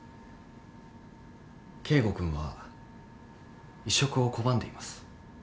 圭吾君は移植を拒んでいます。